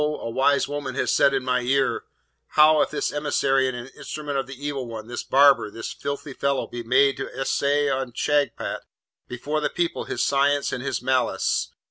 a wise woman has said in my ear, "How if this emissary and instrument of the Evil One, this barber, this filthy fellow, be made to essay on Shagpat before the people his science and his malice?